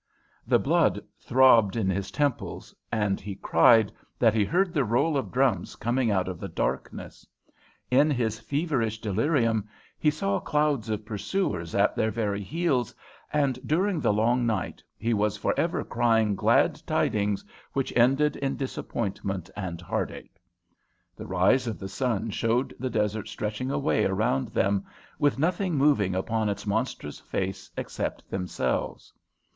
The blood throbbed in his temples, and he cried that he heard the roll of drums coming out of the darkness. In his feverish delirium he saw clouds of pursuers at their very heels, and during the long night he was for ever crying glad tidings which ended in disappointment and heartache. The rise of the sun showed the desert stretching away around them, with nothing moving upon its monstrous face except themselves.